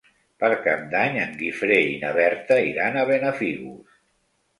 Per Cap d'Any en Guifré i na Berta iran a Benafigos.